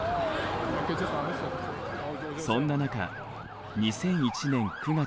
そんな中２００１年９月。